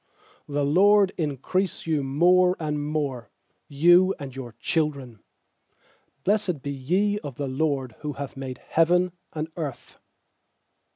I4The LORD increase you more and more, You and your children. lfiBIessed be ye of the LORD, Who made heaven and earth.